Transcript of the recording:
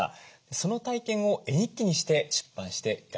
その体験を絵日記にして出版していらっしゃいます。